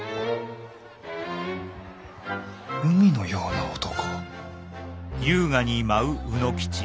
「海のような男」。